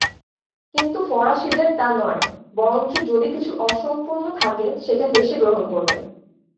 কিন্তু ফরাসীদের তা নয়, বরঞ্চ যদি কিছু অসম্পূর্ণ থাকে সেটা হেসে গ্রহণ করবে।